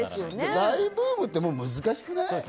大ブームって難しくない？